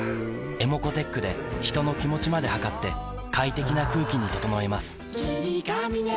ｅｍｏｃｏーｔｅｃｈで人の気持ちまで測って快適な空気に整えます